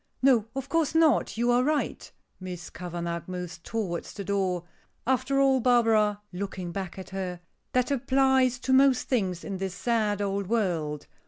"No, of course not. You are right." Miss Kavanagh moves towards the door. "After all, Barbara," looking back at her, "that applies to most things in this sad old world.